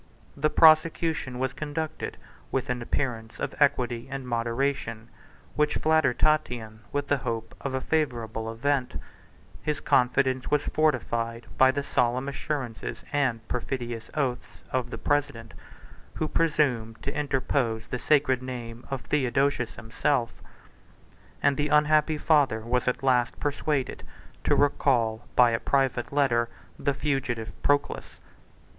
The prosecution was conducted with an appearance of equity and moderation, which flattered Tatian with the hope of a favorable event: his confidence was fortified by the solemn assurances, and perfidious oaths, of the president, who presumed to interpose the sacred name of Theodosius himself; and the unhappy father was at last persuaded to recall, by a private letter, the fugitive Proculus.